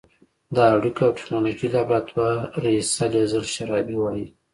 د اړیکو او ټېکنالوژۍ لابراتوار رییسه لیزل شرابي وايي